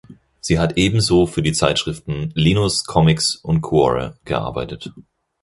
Sie hat ebenso für die Zeitschriften "Linus", "Comix" und "Cuore" gearbeitet.